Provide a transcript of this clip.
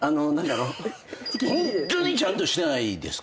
ホントにちゃんとしてないですか？